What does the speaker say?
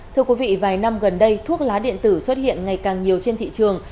thưa quý vị vài năm gần đây thuốc lá điện tử xuất hiện ngày càng nhiều trên thị trường